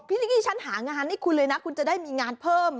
นิกกี้ฉันหางานให้คุณเลยนะคุณจะได้มีงานเพิ่ม